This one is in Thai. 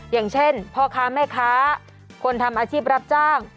อย่างเช่นพ่อค้าแม่ค้าคนทำอาชีพรับจ้าง